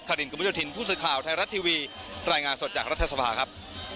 คารินกุมจถินผู้สึกข่าวไทยรัฐทีวีรายงานสดจากรัฐสภาฯครับ